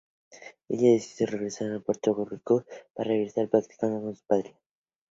Ella decidió regresar a Puerto Rico para seguir practicando en su patria.